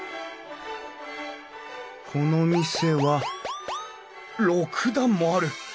この店は６段もある！